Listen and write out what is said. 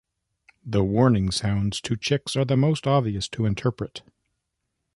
The warning sounds to chicks are the most obvious to interpret.